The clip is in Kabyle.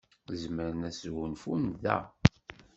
Zemren ad sgunfun da.